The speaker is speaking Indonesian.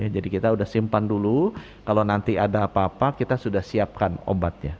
jadi kita sudah simpan dulu kalau nanti ada apa apa kita sudah siapkan obatnya